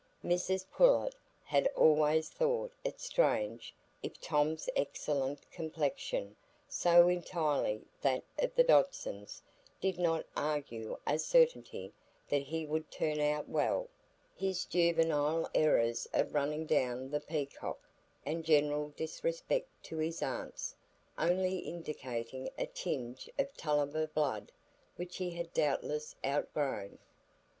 Mrs Pullet had always thought it strange if Tom's excellent complexion, so entirely that of the Dodsons, did not argue a certainty that he would turn out well; his juvenile errors of running down the peacock, and general disrespect to his aunts, only indicating a tinge of Tulliver blood which he had doubtless outgrown.